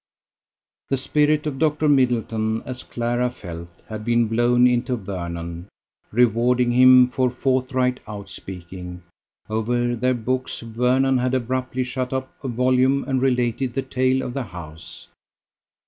The spirit of Dr. Middleton, as Clara felt, had been blown into Vernon, rewarding him for forthright outspeaking. Over their books, Vernon had abruptly shut up a volume and related the tale of the house.